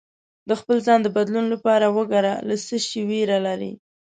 د خپل ځان د بدلون لپاره وګره له څه شي ویره لرې